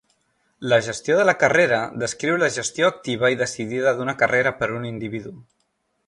La gestió de la carrera descriu la gestió activa i decidida d'una carrera per un individu.